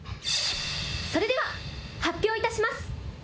それでは発表いたします。